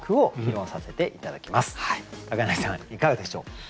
いかがでしょう？